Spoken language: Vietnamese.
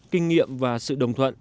kinh nghiệm và sự đồng thuận